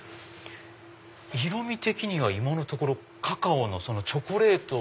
色み的には今のところカカオのチョコレート。